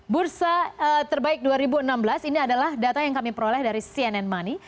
bursa terbaik dua ribu enam belas ini adalah data yang kami peroleh dari cnn money